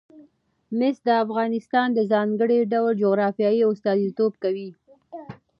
مس د افغانستان د ځانګړي ډول جغرافیه استازیتوب کوي.